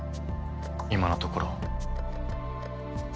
今のところ。